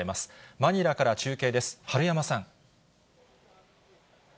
マニラから中継です、治山さん。